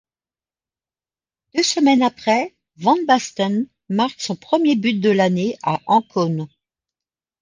Deux semaines après, van Basten marque son premier but de l'année à Ancône.